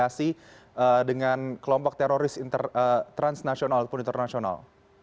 apakah mit ini memiliki afiliasi dengan kelompok teroris transnasional atau internasional